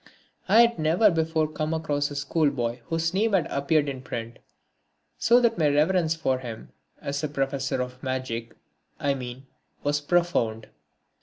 I had never before come across a schoolboy whose name had appeared in print, so that my reverence for him as a professor of magic I mean was profound.